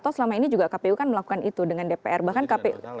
atau selama ini juga kpu kan melakukan itu dengan dpr bahkan kpu